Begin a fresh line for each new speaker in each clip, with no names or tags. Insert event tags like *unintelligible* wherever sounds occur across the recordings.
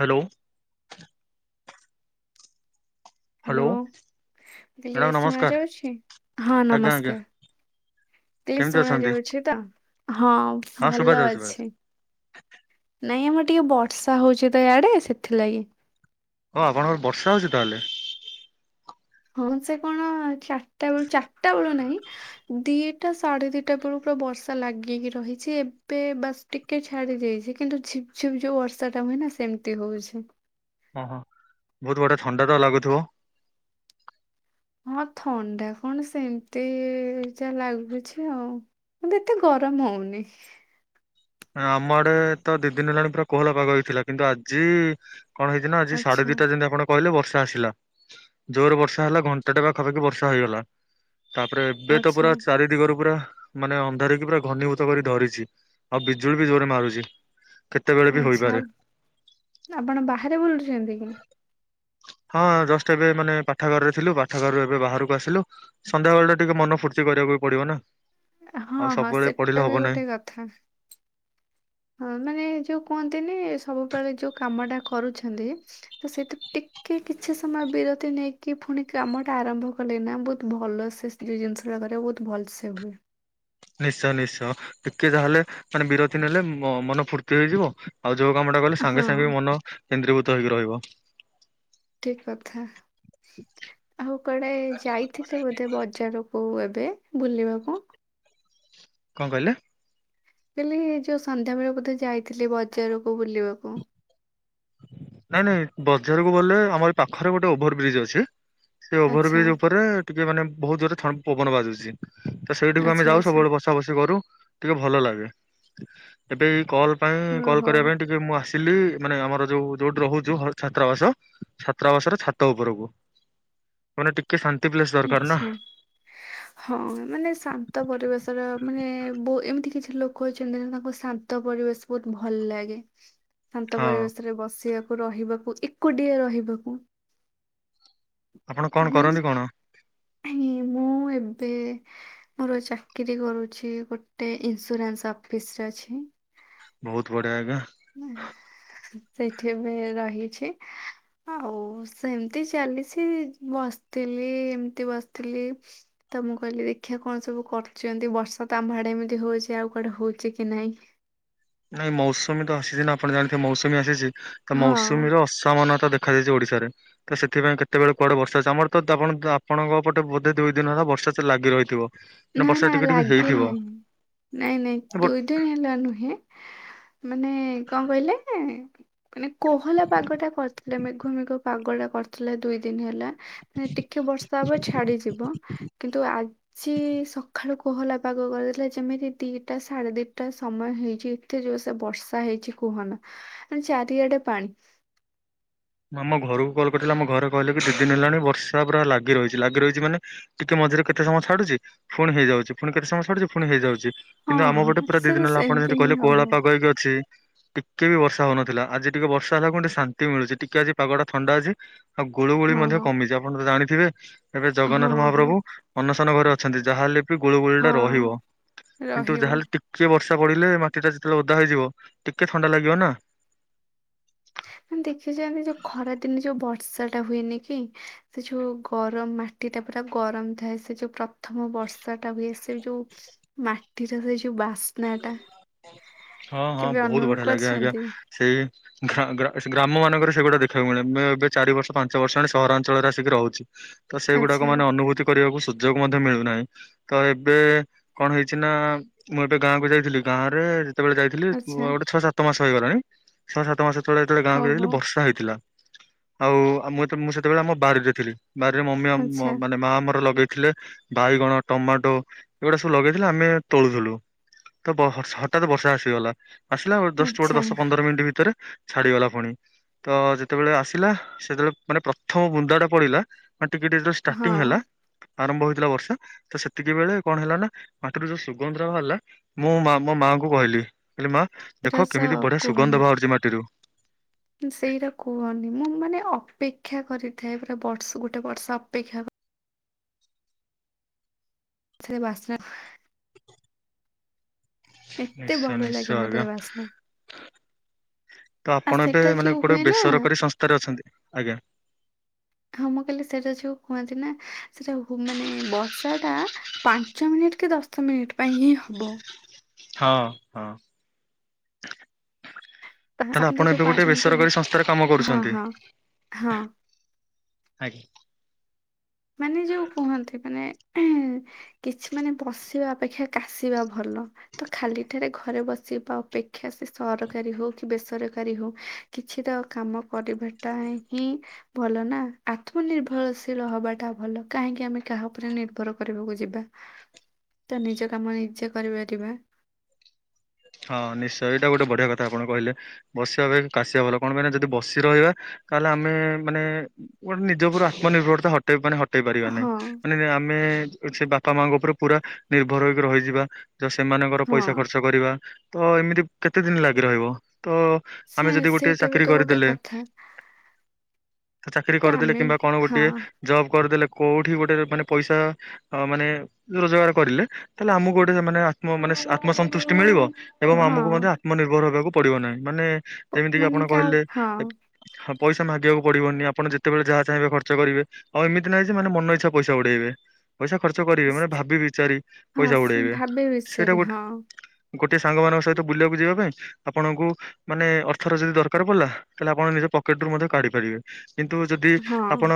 Hello.
Hello
hello
ମୁଁ କହିଲି
madam
ଶୁଣା
ନମସ୍କାର
ଯାଉଛି ହଁ
ଆଜ୍ଞା ଆଜ୍ଞା
ନମସ୍କାର। କଇଲି
କେମିତି
ଶୁଣା
ଅଛନ୍ତି?
ଯାଉଛି ତ, ହଁ
ହଁ
ଭଲ
ଶୁଭାଯାଉଛି ଶୁଭାଯାଉଛି
ଅଛି। ନାଇଁ ଆମର ଟିକେ ବର୍ଷା ହୋଉଛି ତ ୟାଡେ ସେଥିଲାଗି।
ଓ ଆପଣଙ୍କର ବର୍ଷା ହୋଉଚି ତାହେଲେ।
ହଁ ସେ କଣ ଚାରିଟା ବେଳୁ ଚାରିଟା ବେଳୁ ନାହିଁ ଦିଟା ସାଢେ ଦିଟା ବେଳୁ ପୁରା ବର୍ଷା ଲାଗିକି ରହିଛି ଏବେ ବାସ ଟିକେ ଛା ଡ଼ି କିନ୍ତୁ ଝିପ୍ ଝିପ୍ ଯୋଉ ବର୍ଷା ଟା ହୁଏ ନା ସେମିତି ହୋଉଛି।
ଓ ହଁ ବହୁତ ବଢିଆ ଥଣ୍ଡା ତ ଲାଗୁଥିବ?
ହଁ ଥଣ୍ଡା କଣ ସେମିତି ଯା ଲାଗୁଛି ଆଉ। ମତେ ଏତେ ଗରମ ହୋଉନି।
ଆମ ଆଡେ ତ ଦି ଦିନ ହେଲାଣି ପୁରା କୋହଲା ପାଗ ହେଇଥିଲା କିନ୍ତୁ ଆଜି କଣ ହେଇଚି ନା ଆଜି ସାଢେ
ଆଚ୍ଛା
ଦିଟା ତିନିଟା ଖଣ୍ଡେ କହିଲେ ବର୍ଷା ଆସିଲା ଜୋରରେ ବର୍ଷା ହେଲା ଘଣ୍ଟାଟା ପାଖାପାଖି ବର୍ଷା ହେଇଗଲା। ତାପରେ ଏବେ ତ
ଆଚ୍ଛା
ପୁରା ଚାରି ଦିଗରୁ ପୁରା ମାନେ ଅନ୍ଧାରିକି ପୁରା ଘନୀଭୂତ କରି ଧରିଛି। ଆଉ ବିଜୁଳି ବି ଜୋରରେ ମାରୁଛି। କେତେବେଳେ ବି
ଆଚ୍ଛା
ହୋଇପାରେ।
ଆପଣ ବାହାରେ ବୁଲୁଛନ୍ତି କି?
ହଁ ଜଷ୍ଟ ଏବେ ମାନେ ପାଠଘରରେ ଥିଲୁ ପାଠଘରରେ ଏବେ ବାହାରକୁ ଆସିଲୁ ସଧ୍ୟାବେଳ ଟା ଟିକେ ମନ ଫୁର୍ତି କରିବାକୁ ପଡିବ ନା।
ହଁ
ଆଉ
ହଁ
ସବୁବେଳେ ପଢିଲେ
ସେଟା
ହବ
ବି
ନାହିଁ
ଗୋଟେ କଥା। ହଁ ମାନେ ଯୋଉ କୁହନ୍ତିନି ସବୁବେଳେ ଯୋଉ କାମ ଟା କରୁଛନ୍ତି ତ ସେଥି ଟି କି କିଛି ସମୟ ବିରତି ନେଇକି ପୁଣି କାମ ଟା ଆରମ୍ଭ କଲେ ନା ବହୁତ ଭଲ ସେ ଯୋଉ ଜିନିଷ ଜାଗା ରେ ବହୁତ ଭଲ ସେ ହୁଏ।
ନିଶ୍ଚୟ ନିଶ୍ଚୟ ଟିକେ ତାହାହେଲେ ମାନେ ବିରତି ନେଲେ ମନ ଫୁର୍ତ୍ତି ହେଇଯିବ। ଆଉ ଯୋଉ କାମଟା କଲେ
ହଁ
ସାଙ୍ଗେ ସାଙ୍ଗେ ବି ମନ କେନ୍ଦ୍ରୀଭୂତ ହେକି ରହିବ।
ଠିକ୍ କଥା। ଆଉ କୁଆଡେ ଯାଇଥିଲେ ବୋଧେ ବଜାରକୁ ଏବେ ବୁଲିବାକୁ?
କଣ କହିଲେ?
ମୁଁ କହିଲି ଏ ଯୋଉ ସନ୍ଧ୍ୟା ବେଳେ ବୋଧେ ଯାଇଥିଲି ବଜାରକୁ ବୁଲିବାକୁ?
ନାଇଁ ନାଇଁ ବଜାରକୁ ଗଲେ ଆମର ପାଖରେ ଗୋଟେ ଓଭର ବ୍ରିଜ୍ ଅଛି। ସେ ଓଭର
ଆଚ୍ଛା
ବ୍ରିଜ ଉପରେ ଟିକେ ମାନେ ବହୁତ ଜୋରେଥ ପବନ ବାଜୁଛି। ତ ସେଇଠିକୁ ଆମେ
ଆଚ୍ଛା
ଯାଉ
ଆଚ୍ଛା
ସବୁବେଳେ ବସା ବସି କରୁ ଟିକେ ଭଲ ଲାଗେ ଏବେ ଏ କଲ୍ ପାଇଁ କଲ୍
ଓହୋ
କରିବା ପାଇଁ ଟିକେ ମୁଁ ଆସିଲି ମାନେ ଆମର ଯୋଉ ଯୋଉଠି ରହୁଛୁ ଛାତ୍ରାବାସ ଛାତ୍ରାବାସର ଛାତ ଉପରକୁ ମାନେ ଟିକେ ଶା
ଆଚ୍ଛା ହଁ ମାନେ ଶାନ୍ତ ପରିବେଶର ମାନେ ବହୁ ଏମ୍ ଏତି କିଛି ଲୋକ ଅଛନ୍ତି ତାଙ୍କ ଶାନ୍ତ ପରିବେଶ ବହୁତ ଭଲ ଲାଗେ। ଶାନ୍ତ
ହଁ
ପରିବେଶରେ ବସିବାକୁ ରହିବାକୁ ଏକୁଟିଏ ରହିବାକୁ
ଆପଣ କଣ କରନ୍ତି କଣ?
ହିଁ ମୁଁ ମୁଁ ଏବେ ମୋର ଚାକିରୀ କରୁଛି ଗୋଟେ ଇନ୍ସୁରାନ୍ସ ଅଫିସ ରେ ଅଛି। *inaudible*
ବହୁତ ବଢିଆ ହେକା
ସେଇଠି ବି ରହିଛି ଆ ହୋଉ ସେମିତି ଚାଲିଛି ବସିଥିଲି ଏମିତି ବସିଥିଲି ତ ମୁଁ କହିଲି ଦେଖିବା କଣ ସବୁ କରୁଛନ୍ତି ବର୍ଷା ତ ଆମ ଆଡେ ଏମିତି ହୋଉଛି ଆଉ କୁଆଡେ ହୋଉଛି କି ନହିଁ। *inaudible*
ନାଇଁ ମୌସୁମୀ ତ ଆସିଛି ନା ଆପଣ ଜାଣିଥିବେ ମୌସୁମୀ ଆସିଛି ତ
ହଁ
ମୌସୁମୀର ଅସମାନତା ଦେ ଦେଖାଯାଇଛି ଓଡିଶାରେ ତ ସେଥିପାଇଁ କେତେବେଳେ କୁଆଡେ ବର୍ଷା ଅଛି ଆମର ତ ଆପଣ ଆପଣଙ୍କ ପଟେ ବୋଧେ ଦଇ ଦିନ ହେଲା ବ ର୍ଷା ତ ଲାଗି ରହିଥିବ।
ନା
ବର୍ଷା
ନା
ଟିକେ ଟିକେ
ଲାଗି
ହେଇଥିବ
ନାହିଁ ନାଇଁ ନାଇଁ
ବଟ୍
ଦୁଇ ଦିନ ହେଲା ନୁହେଁ ମାନେ କଣ କହିଲେ ମାନେ କୋହଲା ପାଗ ଟା କରିଥିଲେ ମେଘୁ ମେଘୁ ପାଗ ଟା କରିଥିଲା ଦୁଇ ଦିନ ହେଲା ଟିକେ ବର୍ଷା ହୁଏ ଛାଡିଯିବ କିନ୍ତୁ ଆଜି କି ସକାଳୁ କୋହଲା ପାଗ କରିଦେଲେ ଯେମିତି ଦିଟା ସାଢେ ଦିଟା ସମୟ ହେଇଛି ଏତେ ଯୋର ବର୍ଷା ହେଇଛି କୁହନା ମ ଚାରିଆଡେ ପାଣି।
ଆମ ଘରକୁ କଲ କରିଥିଲା ଆମ ଘରେ କହିଲେ କି ଦି ଦିନ ହେଲାଣି ବର୍ଷା ପୁରା ଲାଗି ରହିଛି, ଲାଗି ରହିଛି ମାନେ ଟିକେ ମଝିରେ କେତେ ସମୟ ଛାଡୁଚି ଫୁଣି ହେଇଯାଉଛି, ଫୁଣି କେତ ସମୟ ଛାଡୁଚି ଫୁଣି ହେଇଯାଉଛି। କିନ୍ତୁ
ହଁ
ଆମ ଗୋଟେ
ହଁ
ପୁରା ଦିନ
ସେଟା
ହେଲା ଆପଣ
ସେମିତି
ଯେମତି
ହିଁ
କହିଲେ କୋହଲା
ହବ
ପାଗ ହେଇକି ଅଛି। ଟିକେ ବି ବର୍ଷା ହଉନଥିଲା, ଆଜି ଟିକେ ବର୍ଷା ହେଲା କ ଟିକେ ଶାନ୍ତି ମିଳୁଛି, ଟିକେ ଆଜି ପାଗ ଟା ଥଣ୍ଡା ଅଛି। ଆଉ ଗୁଳୁ ଗୁଳି
ହଁ
ମଧ୍ୟ
ହଁ
କମିଛି ଆପଣ ତ ଜାଣିଥିବେ ଏବେ ଜଗନ୍ନାଥ
ହଁ
ମହାପ୍ରଭୁ ଅନଶନ ଘରେ ଅ ଛନ୍ତି ଯାହା ହେଲେ ବି ଗୁଳୁ ଗୁଳି ଟା
ହଁ
ରହିବ, କିନ୍ତୁ ଯା
ରହିବ।
ହେଲେ ଟିକେ ବର୍ଷ ପଡ଼ିଲେ ମାଟି ଟା ଯେତେବେଳେ ଓଦା ହେଇଯିବ ଟିକେ ଥଣ୍ଡା ଲାଗିବ ନା।
ଦେଖିଚନ୍ତି ଯୋଉ ଖରାଦିନେ ଯୋଉ ବର୍ ବର୍ଷା ଟା ହୁଏନି କି ସେ ଯୋଉ ଗରମ ମାଟି ଟା ପୁରା ଗରମ ଥାଏ ସେ ଯୋଉ ପ୍ରଥମ ବ ବର୍ଷା ଟା ହୁଏ ସେ ଯୋଉ ମାଟିର ସେଇ ଯୋଉ ବାସ୍ନା ଟା।
ହଁ ହଁ
କେବେ
ବହୁତ
ଅନୁଭବ
ବଢିଆ ଲାଗେ ଆଜ୍ଞା
କରିଛନ୍ତି?
ସେଇ ଗ୍ରା-ଗ୍ରା-ଗ୍ରାମ ମାନଙ୍କରେ ସେଗୁଡା ଦେଖିବାକୁ ମିଳେ, ମୁଁ ଏବେ ଚାରି ବର୍ଷ ପାଞ୍ଚ ବର୍ଷ ଆଣି ସହରାଞ୍ଚଳରେ ଆସିକି ରହୁଛି। ତ ସେଇଗୁଡାକ
ଆଚ୍ଛା
ମାନେ ଅନୁଭୂତି କରିବାକୁ ସୁ ସୁଯୋଗ ମଧ୍ୟ ମିଳୁନାହିଁ, ତ ଏବେ କଣ ହେଇଛି ନା ମୁଁ ଏବେ ଗାଁ କୁ ଯାଇଥିଲି ଗାଁ ରେ ସେତେବେଳେ ଯାଇଥିଲି
ଆଚ୍ଛା
ଗୋଟେ ଛଅ ସାତ ମାସ ହେଇଗଲାଣି, ଛଅ ସାତ ମାସ ତଳେ ଯେତେବେଳେ ଗାଁକୁ
ଓହୋ
ଯାଇଥିଲି ବର୍ଷା ହେଇଥିଲା। ଆଉ ମୁଁ ମୁଁ ସେତେବେଳେ ଆମ ବାରିରେ ଥିଲି, ବାରିରେ ମମି ଆମ
ଆଚ୍ଛା
ମାନେ ମା ଆମର ଲଗେଇ ଥିଲେ ବାଇଗଣ, ଟମାଟୋ ଏଗୁଡା ସବୁ ଲଗେଇଥିଲେ ଆମେ ତୋଳୁଥିଲୁ। ତ ବ ହ-ହଠାତ ବର୍ଷା ଆସିଗଲା, ଆସିଲା ଜଷ୍ଟ ଗୋଟେ
ଆଚ୍ଛା
ଦଶ ପନ୍ଦର ମିନିଟ ଭିତରେ ଛାଡିଗଲା ପୁଣି, ତ ଯେତେବେଳେ ଆସିଲା ସେତେବେଳେ ମାନେ ପ୍ରଥମ ବୁନ୍ଦା ଟା ପଡିଲା। ଟିକେ ଟିକେ ଯେତେବେଳେ
ହଁ
ଷ୍ଟାର୍ଟିଂ ହେଲା ଆରମ୍ଭ ହେଇଥିଲା ବର୍ଷା ତ ସେତିକି ବେଳେ କଣ ହେଲା ନା ମାଟିରୁ ଯୋଉ ସୁଗନ୍ଧ ବାହାରିଲା ମୁଁ ମୋ ମାଙ୍କୁ କୁ କହିଲି କହିଲି ମା,
ଏଇଟା
ଦେଖ
ତ
କେମିତି ବଢିଆ
କୁହନି
ସୁଗନ୍ଧ ବାହାରୁଛି ମାଟିରୁ।
ସେଇଟା କୁହନି ମୁଁ ମାନେ ଅପେକ୍ଷା କରିଥାଏ ପୁରା ବର୍ଷ ଗୋଟେ ବର୍ଷ ଅପେକ୍ଷା ସେ ବାସ୍ନା ଏତେ
ନିଶ୍ଚୟ
ଭଲ ଲାଗେ
ନିଶ୍ଚୟ
ମତେ
ଆଜ୍ଞା।
ସେ ବାସ୍ନା
ତ
ଆଉ
ଆପଣ ଏବେ
ସେଟା ଯୋଉ
ମାନେ
ହୁଏ
ଗୋଟେ
ନା
ବେସରକାରୀ ସଂସ୍ଥାରେ ଅଛନ୍ତି, ଆଜ୍ଞା।
ହଁ ମୁଁ କହିଲେ ସେଇଟା ଯୋଉ ହୁଅନ୍ତି ନା ସେଟା ମାନେ ବର୍ଷା ଟା ପାଞ୍ଚ ମିନିଟ କି ଦଶ ମିନିଟ୍ ପାଇଁ ହିଁ ହ ହବ।
ହଁ ହଁ।
ତାହା
ତାହେଲେ
କିନ୍ତୁ
ଆପଣ
ଯୋଉ
ଏବେ
ପାଞ୍ଚ
ଗୋଟେ
ମିନିଟ
ବେସରକାରୀ ସଂସ୍ଥାରେ କାମ
ହଁ
କରୁଛନ୍ତି?
ହଁ ହଁ
ଆଗି
ମାନେ ଯୋଉ କୁହନ୍ତି ମାନେ କିଛି ମାନେ ବସିବା ଅପେକ୍ଷା କାଶିବା ଭଲ, ତ ଖାଲି ଟାରେ ଘରେ ବସିବା ଅପେକ୍ଷା ସେ ସରକାରୀ ହଉ କି ବେସରକାରୀ ହଉ କିଛିଟା କାମ କରିବାଟା ହିଁ ଭଲ ନା ଆତ୍ମନିର୍ଭରଶୀଳ ହବା ଟା ଭଲ, କାହିଁକି ଆମେ କାହା ଉପରେ ନିର୍ଭର କରିବାକୁ ଯିବା। ତ ନିଜ କାମ ନିଜେ କରିପାରିବା।
ହଁ ନିଶ୍ଚୟ ଏଇଟା ଗୋଟେ ବଢିଆ କଥା ଆପଣ କହିଲେ, ବସିବା ଅପେକ୍ଷା କାଶିବା ଭଲ, କଣ ପାଇଁ ନା ଯଦି ବସି ରହିବା ତାହେଲେ ଆମେ ମାନେ ଗୋଟେ ନିଜ ଉପରୁ ଆତ୍ମନିର୍ଭରତା ହଟେଇ ମାନେ ହଟ ଟେଇ ପାରିବା ନାହିଁ,
ହଁ
ମାନେ ଆମେ ସେ ବାପା ମାଙ୍କ ଉପରେ ପୁରା ନିର୍ଭର ହେଇକି ରହିଯିବା। ଯ ସେମାନଙ୍କର
ହଁ
ପଇସା ଖର୍ଚ୍ଚ କରିବା ତ ଏମିତି କେତେ ଦିନ ଲାଗି ରହିବ। ତ
ସେ
ଆମେ ଯଦି ଗୋଟେ
ସେଇଟା ବି
ଚାକିରୀ
ତ ଗୋଟେ
କରିଦେଲେ
କଥା
ଚାକିରି
ତ
କରିଦେଲେ
ଆମେ
କିମ୍ବା କଣ
ହଁ
ଗୋଟିଏ ଜବ୍ କରିଦେଲେ କୋଉଠି ଗୋଟେ ମାନେ ପଇସା ମାନେ ରୋଜଗାର କରିଲେ ତାହେଲେ ଆମକୁ ଗୋଟେ ମାନେ ଆତ୍ମ ମାନେ ଆତ୍ମସନ୍ତୁଷ୍ଟୀ ମିଳିବ ଏବଂ
ହଁ
ଆମକୁ ମଧ୍ୟ ଆତ୍ମନିର୍ଭର ହେବାକୁ ପଡିବ ନାହିଁ, ମାନେ
ପ-
ଯେମିତି କିି
ମାନେ
ଆପଣ
କାହା
କହିଲେ
ହଁ
ହ ପଇସା ମାଗିବାକୁ ପଡିବନି, ଆପଣ ଯେତେବେଳେ ଯାହା ଚାହିଁବେ ଖର୍ଚ୍ଚ କରିବେ, ଆଉ ଏମିତି ନାହିଁ ଯେ ମାନେ ମନ ଇଚ୍ଛା ପଇସା ଉଡେଇବେ। ପଇସା ଖର୍ଚ୍ଚ କରିବେ, ମାନେ
ସ-
ଭାବି ବିଚାରି
ହଁ
ପଇସା
ସେ
ଉଡେଇବେ
ଭାବେ
ସେଇଟା
ବିଷୟରେ
ଗୋଟେ
ହଁ
ଗୋଟିଏ *unintelligible* ସାଙ୍ଗମାନଙ୍କ ସହିତ ବୁଲିବାକୁ ଯିବା ପାଇଁ ଆପଣଙ୍କୁ ମାନେ ଅର୍ଥର ଯଦି ଦରକାର ପଡିଲା? ତାହେଲେ ଆପଣ ନିଜ ପକେଟ୍ ରୁ ମଧ୍ୟ କାଢ଼ିପାରିବେ। କିନ୍ତୁ ଯଦି
ହଁ
ଆପଣ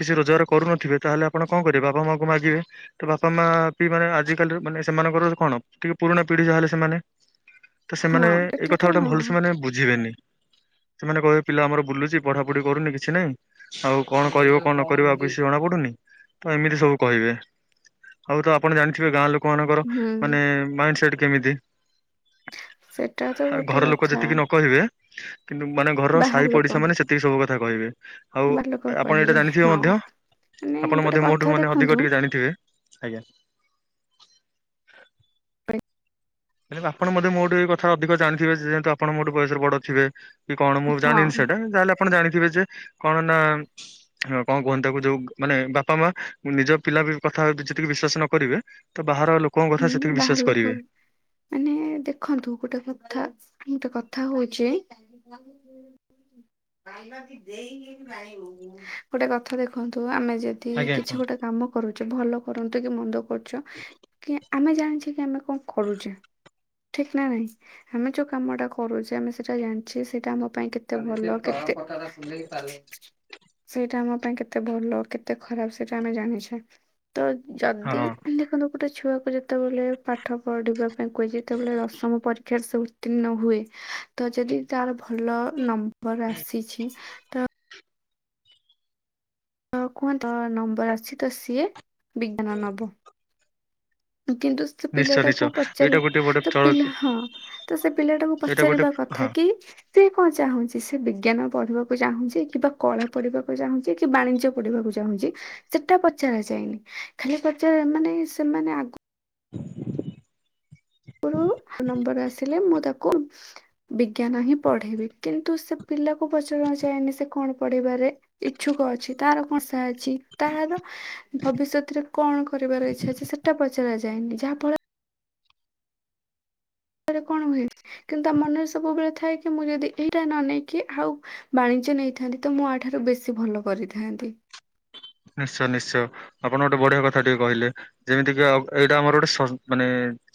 କିଛି ରୋଜଗାର କରୁନଥିବେ, ତାହେଲେ ଆପଣ କଣ କରିବେ? ବାପା ମାଙ୍କୁ ମାଗିବେ। ତ ବାପା ମା ବି ମାନେ ଆଜିକାଲି ମାନେ *unintelligible* ନଙ୍କର କଣ ଟିକେ ପରୁଣା ପିଢି ଯାହା ହେଲେ ସେମାନେ। ତ ସେମାନେ
ହଁ
ଏଇ
ଏଟା
କଥା
ତ
ଗୁଡା
ହଁ।
*unintelligible* ଭଲ ସେ ମାନେ ବୁଝିବେନି। ସେମାନେ କହିବେ ପିଲା ଆମର ବୁଲୁଚି, ପଢାପଢି କରୁନି, କିଛି ନାହିଁ। ଆଉ କଣ କରିବ
ଏଇଟା
କଣ ନ କରିବ ଆଉ
ଏମିତି?
କିଛି ଜଣା ପଡୁନି? ତ ଏମିତି ସବୁ କହିବେ। ଆଉ ତ ଆପଣ ଜାଣିଥିବେ ଗାଁ ଲୋକ ଆପଣଙ୍କର
ହୁଁ
ମାନେ ମାଇଣ୍ଡ ସେଟ୍ କେମିତି?
ସେଟା ତ
ଆଉ
ଗୋଟେ
ଘର ଲୋକ
କଥା
ଯେତିକି ନ କହିବେ? କିନ୍ତୁ ମାନେ ଘରର
ବାହାର
ସାହି
ଲୋକ
ପଡିଶା ମାନେ ସେତିକି ସବୁ କଥା କହିବେ। ଆଉ
ବାହାର ଲୋକ
ଆପଣ ଏଇଟା
କହିବେ
ଜାଣିଥିବେ
ହଁ
ମଧ୍ୟ,
ମାନେ
ଆପଣ
ଗୋଟେ
ମଧ୍ୟ ମୋ
କଥା
ଠୁ ମାନେ
ଦେଖନ୍ତୁ
ଅଧିକ ଟିକେ ଜାଣିଥିବେ? ଆଜ୍ଞା। *inaudible* ଆପଣ ମଧ୍ୟ ମୋ ଠୁ ଏ କଥା ଅଧିକ ଜାଣିଥିବେ ଯେହେତୁ ଆପଣ ମୋ ଠୁ ବୟସରେ ବଡ ଥିବେ? କି କଣ ମୁଁ
ହଁ
ଜାଣିନି ସେଇଟା। ଯାହେଲେ ଆପ୍ ଆପଣ ଜାଣିଥିବେ ଯେ କଣ ନା କଣ କୁହନ୍ତି ତାକୁ ଯୋଉ ମାନେ ବାପା ମା ନିଜ ପିଲା କଥା ଯେତିକି ବିଶ୍ଵାସ ନ କରିବେ ତ ବାହାର ଲୋକଙ୍କ କଥା
ହୁଁ
ସେତିକି
ବାହାର
ବିଶ୍ଵାସ
ଲୋକ
କରିବେ।
ମାନେ ଦେଖନ୍ତୁ ଗୋଟେ କଥା, ଗୋଟେ କଥା ହଉଚି ଗୋଟେ କଥା ଦେଖନ୍ତୁ ଆମେ ଯଦି
ଆଜ୍ଞା।
କିଛି ଗୋଟେ କାମ କରୁଛ ଭଲ କରନ୍ତୁ କି ମନ୍ଦ କରୁଛ? କି ଆମେ ଜାଣିଛେ କି ଆମେ କଣ କରୁଛେ। ଠିକ ନା ନାଇଁ? ଆମେ ଯୋଉ କାମଟା କରୁଛେ ଆମେ ସେଟା ଜାଣିଛେ ସେଇଟା ଆମ ପାଇଁ କେତେ ଭଲ କେ ତେ କଥା ଟା ଶୁଣ। *unintelligible* ସେଇଟା ଆମ ପାଇଁ କେତେ ଭଲ କେତେ ଖରାପ ସେଇଟା ଆମେ ଜାଣିଛେ। ତ ଯଦି
ହଁ
ଦେଖନ୍ତୁ ଗୋଟେ ଛୁଆକୁ ଯେତେବେଳେ ପା ଠ ପଢିବା ପାଇଁ କୁହଯାଏ। ଯେତବେଳେ ଦଶମ ପରୀ କ୍ଷାରେ ସେ ଉତ୍ତୀର୍ଣ ହୁଏ? ତ ଯଦି ତାର ଭଲ ନମ୍ବର ଆସିଛି? *unintelligible* କୁହ ତର ନମ୍ବର ଆସିଛି ତ ସିଏ ବିଜ୍ଞାନ ନବ। କିନ୍ତୁ ସେ
ନିଶ୍ଚୟ
ପିଲାଟାକୁ
ନିଶ୍ଚୟ
ପଚାରି,
ଏଇଟା ଗୋଟେ ଗୋଟେ
ତ
ଚଳ
ପିଲା ହଁ ତ ସେ ପିଲାଟାକୁ
ଏଇଟା ଗୋଟେ
ପଚାରିବା
ହଁ
କଥା? କି ସେ କଣ ଚାହୁଁଛି ସେ ବିଜ୍ଞାନ ପଢ଼ିବାକୁ ଚାହୁଁଛି? କିମ୍ବା କଳା ପଢିବାକୁ ଚାହୁଁଛି? କି ବାଣିଜ୍ୟ ପଢିବାକୁ ଚାହୁଁଛି? *inaudible* ସେଟା ପଚରା ଯାଏନି, ଖାଲି ପଚାର ମାନେ ସେମାନେ ଆଗ *unintelligible* ପୁର୍ବରୁ ନମ୍ବର ଆସିଲେ ମୁଁ ତାକୁ ବିଜ୍ଞାନ ହିଁ ପଢେଇବି। କିନ୍ତୁ ସେ ପିଲାକୁ ପଚାର ଯାଏନି ସେ କଣ ପଢିବାରେ ଇଛୁକ ଅଛି, ତାର କଣ ସାହା *unintelligible* ଅଛି ତାହାର ଭବି ଭବିିଷ୍ୟତରେ କଣ କରିବାର ଇଚ୍ଛା ଅଛି ସେଟା ପଚାର ଯାଏନି? ଯାହା ଫଳରେ କଣ ହୁଏ କିନ୍ତୁ ତା ମନରେ ସବୁବେଳେ ଥାଏ କି ମୁଁ ଯଦି ଏଇଟା ନ ନେଇକି, ଆଉ ବାଣି ଜ୍ୟ ନେଇଥାନ୍ତି ତ ମୁଁ ଆଠାରୁ ବେଶୀ ଭଲ କରିଥାନ୍ତି।
ନିଶ୍ଚୟ ନିଶ୍ଚୟ। ଆପଣ ଗୋଟେ ବଢିଆ କଥା ଟିକେ କହିଲେ ଯେମିତି କି ଏଇଟା ଆମର ସ ଗୋଟେ ମାନେ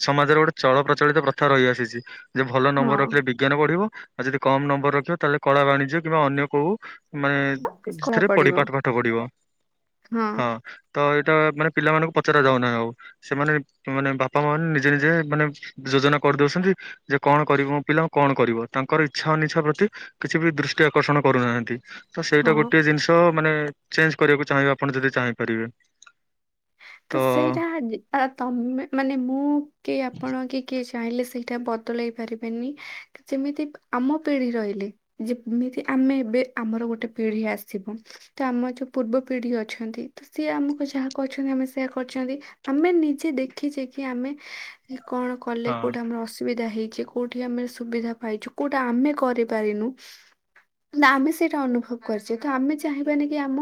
ସମାଜରେ ଗୋଟେ ଚଳ ପ୍ରଚଳିତ ପ୍ରଥା ରହିଆସିଛି। ଯେ ଭଲ
ହଁ
ନମ୍ବର ରଖିଲେ ବିଜ୍ଞାନ ପଢିବ। ଆଉ ଯଦି କମ୍ ନମ୍ବର ରଖିବ ତାହେଲେ କଳା ବାଣିଜ୍ୟ କିମ୍ବା ଅନ୍ୟ କୋଉ ମାନେ
କଳା
ସେଥିରେ ପଢି
ପଡିବ
ପାଠ ପାଠ ପଢିବ। ହଁ ତ ଏଇଟା ମାନେ ପିଲାମାନାନଙ୍କୁ ପଚାରା ଯାଉନାହିଁ ଆଉ। ସେମାନେ ମାନେ ବାପା ମା ମାନେ ନିଜେ ନିଜେ ମାନେ ଯୋ ଜନା କରିଦଉଛନ୍ତି, ଯେ କଣ କରିବ ମୋ ପିଲା କଣ କରିବ? ତାଙ୍କର ଇଚ୍ଛା ଅନିଚ୍ଛା ପ୍ରତି କିଛି ବି ଦୃଷ୍ଟି ଆକ ର୍ଷଣ କରୁନାହାନ୍ତି। ତ ସେଇଟା
ହଁ
ଗୋଟେ ଜିନିଷ ମାନେ ଚେଞ୍ଜ କରିବାକୁ ଚାହିଁବେ। ଆପଣ ଯଦି ଚାହିଁପାରିବେ।
ତ ସେଇଟା *unintelligible* ଆ ତମେ ମାନେ, ମୁଁ କି ଆପଣ କି କିଏ ଚାହିଁଲେ ସେଇଟା ବଦଳେଇ ପାରିବେନି ଯେମିତି ଆମ ପିଢି ରହିଲେ ଯେମିତି ଆ ଆମେ ଏବେ ଆମର ଗୋଟେ ପିଢି ଆସିବ ତ ଆମ ଯୋଉ ପୂର୍ବ ପିଢି ଅଛନ୍ତି ତ ସିଏ ଆମ କୁ ଯା ଯାହା କୋହୁଛନ୍ତି ଆମେ ସେ ଇଆ କରୁଚନ୍ତି। ଆମେ ନିଜେ ଦେଖିଚେ କି ଆମେ କଣ କଲେ
ହଁ
କୋଉଟା ଆମର ଅସୁ ବିଧା ହେଇଛି କୋଉଠି ଆମେ ସୁବିଧା ପାଇଛୁ କୋଉଠି ଆମେ କରିପାରିନୁ ନା ଆମେ ସେଇଟା ଅନୁଭବ କରିଚେ ତ ଆମେ ଚାହିଁବାନି କି ଆମ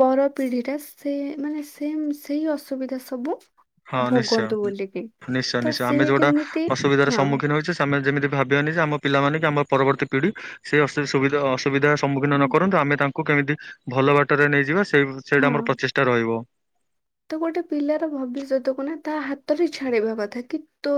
ପର ପିଢି ଟା ସେ ମାନେ ସେମ୍ ସେଇ ଅସୁବିଧା ସବୁ
ହଁ
ଭୋଗନ୍ତୁ
ନିଶ୍ଚୟ
ବୋଲିକି
ନିଶ୍ଚୟ
ତ
ନିଶ୍ଚୟ ଆମେ
ସିଏ
ଯୋଉଟା
କେମିତି
ଅସୁବିଧାର
ହଁ
ସମ୍ମୁଖୀନ ହୋଇଛେ ସେମାନେ ଯେମିତି ଭାବିବାନି ଯେ ଆମ ପିଲାମାନେ କି ଆମର ପରବତ୍ତୀ ପିଢି ସେ ଅସୁ ସୁବିଧା ସୁବିଧା ସମ୍ମୁଖୀନ
ହଁ
ନ କରନ୍ତୁ ଆମେ ତାଙ୍କୁ କେମିତି ଭଲ ବାଟରେ ନେଇଯିବା ସେ ସେଇ ଭ ସେଇଟା ଆମର ପ୍ରଚେଷ୍ଟା ରହିବ।
ତ ଗୋଟେ ପିଲାର ଭବିଷ୍ୟତକୁ ନା ତା ହାତରେ ଛାଡିବା କଥା କି ତୁ